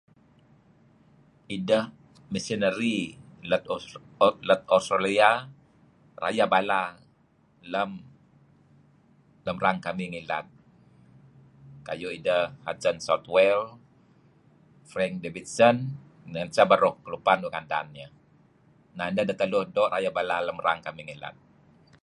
Ideh Missionary lat Aust lat Australia rayeh bala lam rang kamih ngilad. Kayu' ideh Hudson Southwell, Frank Davidson, may seh beruh kelupan uih ngadan iyeh. Neh neh ditaluh doo' rayeh bala lem erang kamih ngilad.